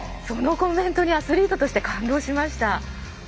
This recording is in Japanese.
そのコメントにアスリートとして感動しました。